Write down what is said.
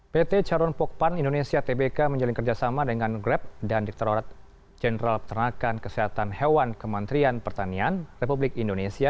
pertama pt caron pogpan indonesia tbk menjalin kerjasama dengan grep dan diktatorat jeneral pertanakan kesehatan hewan kementerian pertanian republik indonesia